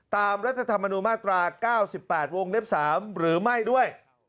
รัฐธรรมนุนมาตรา๙๘วงเล็บ๓หรือไม่ด้วย